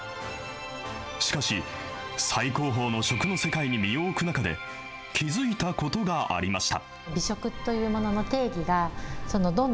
しかし、最高峰の食の世界に身を置く中で、気付いたことがありました。